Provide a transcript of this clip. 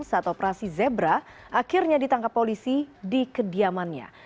saat operasi zebra akhirnya ditangkap polisi di kediamannya